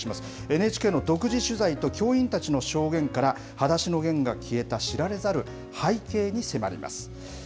ＮＨＫの独自取材と教員たちの証言から、はだしのゲンが消えた知られざる背景に迫ります。